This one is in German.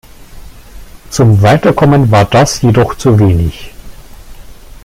Zum Weiterkommen war das jedoch zu wenig.